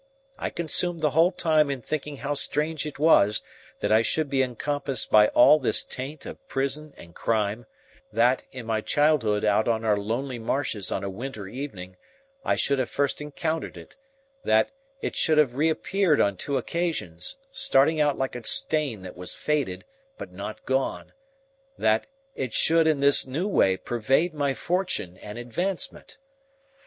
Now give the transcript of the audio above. I consumed the whole time in thinking how strange it was that I should be encompassed by all this taint of prison and crime; that, in my childhood out on our lonely marshes on a winter evening, I should have first encountered it; that, it should have reappeared on two occasions, starting out like a stain that was faded but not gone; that, it should in this new way pervade my fortune and advancement.